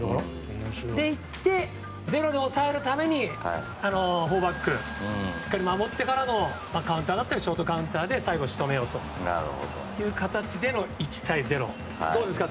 それでいってゼロで抑えるために４バックでしっかり守ってからのカウンターショートカウンターで最後仕留めようという形での１対０でどうですか？